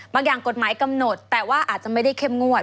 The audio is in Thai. อย่างกฎหมายกำหนดแต่ว่าอาจจะไม่ได้เข้มงวด